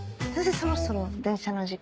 そろそろ電車の時間。